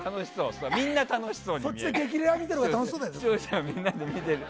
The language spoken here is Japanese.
みんな楽しそうに見える。